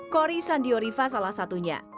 kori sandioriva salah satunya